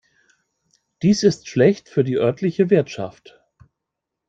Dies ist schlecht für die örtliche Wirtschaft.